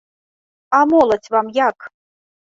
А моладзь вам як?